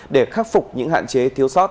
để khắc phục những hạn chế thiếu sót